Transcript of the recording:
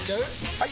・はい！